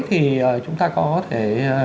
thì chúng ta có thể